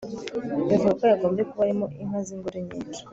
bivuga ko yagombye kuba arimo inka zingore nyinshi